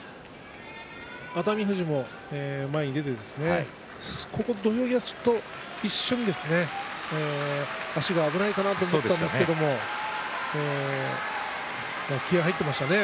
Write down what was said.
熱海富士も前に出て土俵際、一瞬足が危ないかなと思ったんですけれども気合いが入ってましたね